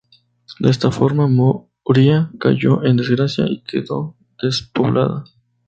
De esta forma, Moria cayó en desgracia, y quedó despoblada.